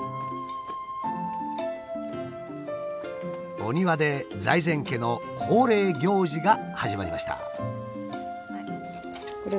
お庭で財前家の恒例行事が始まりました。